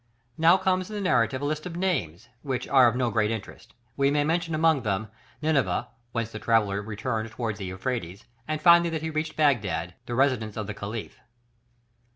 Now comes in the narrative a list of names, which are of no great interest: we may mention among them, Nineveh, whence the traveller returned towards the Euphrates; and finally that he reached Baghdad, the residence of the Caliph.